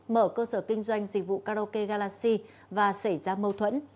mở cơ sở kinh doanh dịch vụ karaoke galaxy và xảy ra mâu thuẫn